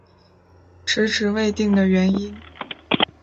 迟迟未定的原因